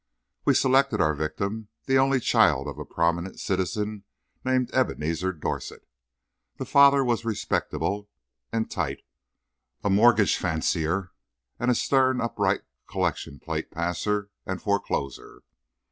We selected for our victim the only child of a prominent citizen named Ebenezer Dorset. The father was respectable and tight, a mortgage fancier and a stern, upright collection plate passer and forecloser.